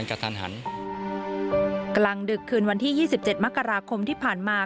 กำลังดึกคืนวันที่๒๗มกราคมที่ผ่านมา